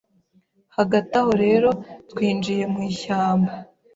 Hagati aho rero twinjiye mu ishyamba